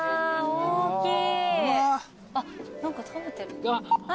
大きい。